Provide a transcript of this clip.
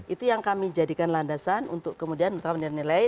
itu yang kami jadikan landasan untuk kemudian menentukan nilai